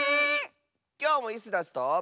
きょうもイスダスと。